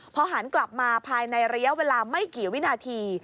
พอหันกลับมาภายในระยะเวลาไม่กี่วินาที